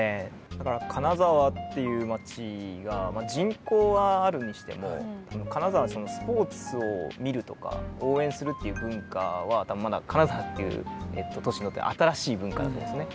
だから金沢っていう町が人口はあるにしても金沢はスポーツを見るとか応援するっていう文化は多分まだ金沢っていう都市にとっては新しい文化だと思うんですね。